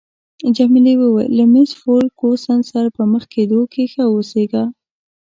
جميلې وويل: له مېس فرګوسن سره په مخ کېدو کې ښه اوسیږه.